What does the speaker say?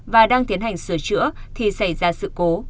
và đang tiến hành sửa chữa thì xảy ra sự cố